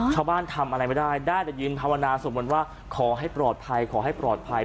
ทำอะไรไม่ได้ได้แต่ยืนภาวนาสวดมนต์ว่าขอให้ปลอดภัยขอให้ปลอดภัย